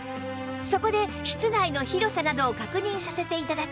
そこで室内の広さなどを確認させて頂き